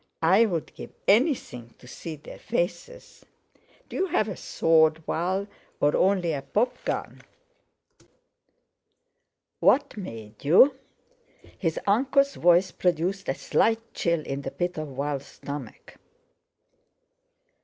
"I'd give anything to see their faces. Do you have a sword, Val, or only a popgun?" "What made you?" His uncle's voice produced a slight chill in the pit of Val's stomach.